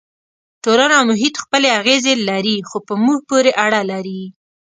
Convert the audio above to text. ټولنه او محیط خپلې اغېزې لري خو په موږ پورې اړه لري.